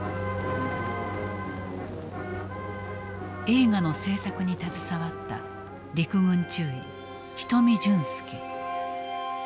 映画の制作に携わった陸軍中尉人見潤介。